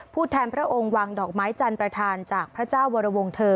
แทนพระองค์วางดอกไม้จันทร์ประธานจากพระเจ้าวรวงเทอร์